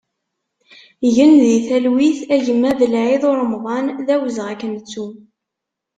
Gen di talwit a gma Belaïd Uremḍan, d awezɣi ad k-nettu!